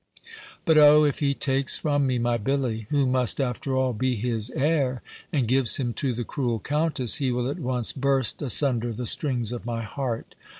But oh! if he takes from me my Billy, who must, after all, be his heir, and gives him to the cruel Countess, he will at once burst asunder the strings of my heart!